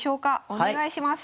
お願いします。